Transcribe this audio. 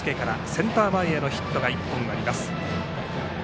センター前へのヒットが１本あります。